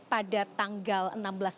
pada tanggal enam belas